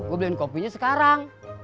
gua beliin kopinya sekarang